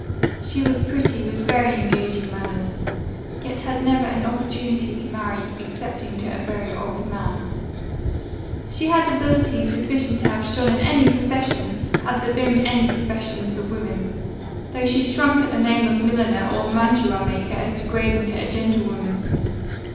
She was pretty, with very engaging manners; yet had never an opportunity to marry, excepting to a very old man. She had abilities sufficient to have shone in any profession, had there been any professions for women, though she shrunk at the name of milliner or mantua maker as degrading to a gentlewoman.